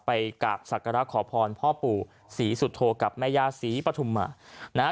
ไปกราบศักระขอพรพ่อปู่ศรีสุโธกับแม่ย่าศรีปฐุมานะฮะ